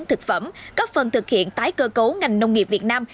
thực phẩm góp phần thực hiện tái cơ cấu ngành nông nghiệp việt nam